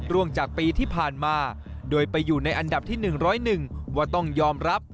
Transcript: จากปีที่ผ่านมาโดยไปอยู่ในอันดับที่๑๐๑ว่าต้องยอมรับ